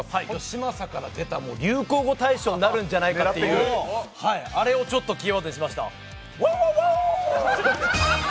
嶋佐から出た流行語大賞になるんじゃないかな、あれをキーワードにしました。